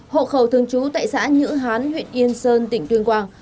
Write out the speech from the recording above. hộ khẩu thường trú tại xã nhữ hán huyện yên sơn tỉnh tuyên quang